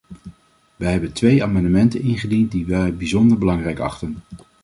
Wij hebben twee amendementen ingediend die wij bijzonder belangrijk achten.